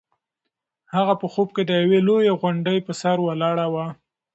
هغه په خوب کې د یوې لویې غونډۍ په سر ولاړه وه.